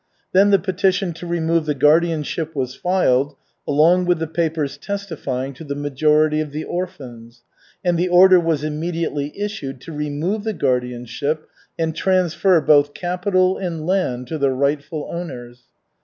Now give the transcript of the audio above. Then the petition to remove the guardianship was filed, along with the papers testifying to the majority of the orphans, and the order was immediately issued to remove the guardianship and transfer both capital and land to the rightful owners.